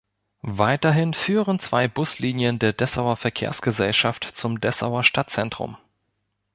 Weiterhin führen zwei Buslinien der Dessauer Verkehrsgesellschaft zum Dessauer Stadtzentrum.